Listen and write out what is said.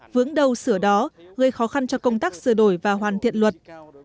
vướng đầu sửa đó gây khó khăn cho công tác sửa đổi và hoàn thiện luật